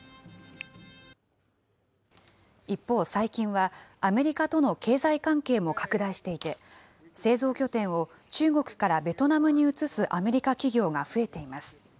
一方、最近はアメリカとの経済関係も拡大していて、製造拠点を中国からベトナムに移すアメリカ企業が増えています。